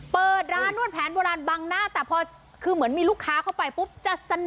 เปิดร้านนวดแผนโบราณบังหน้าแต่พอคือเหมือนมีลูกค้าเข้าไปปุ๊บจะสนุก